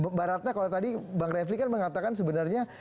mbak ratna kalau tadi bang refli kan mengatakan sebenarnya